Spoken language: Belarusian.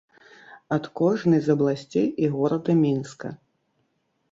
Ад кожнай з абласцей і горада Мінска.